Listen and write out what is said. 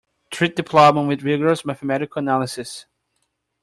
Treat the problem with rigorous mathematical analysis.